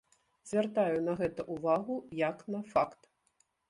Звяртаю на гэта ўвагу як на факт.